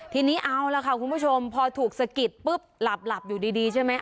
ทีนี้เอาล่ะค่ะคุณผู้ชมพอถูกสะกิดปุ๊บหลับอยู่ดีใช่ไหม